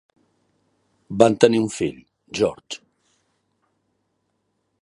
Van tenir un fill, Gheorghe.